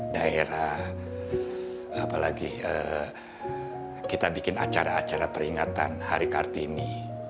daerah apalagi kita bikin acara acara peringatan hari kartini